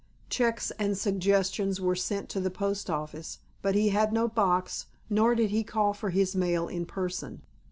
Cheques and suggestions were sent to the Post Office, but he had no box, nor did he call for his mail in person.